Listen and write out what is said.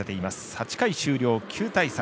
８回終了、９対３。